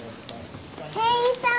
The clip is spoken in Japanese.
店員さん！